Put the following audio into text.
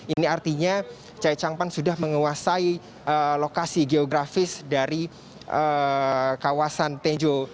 ini artinya chai chang pan sudah menguasai lokasi geografis dari kawasan tenjo